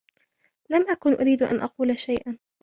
لم أكن أريد أن أقول شيئا.